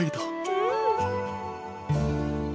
うん！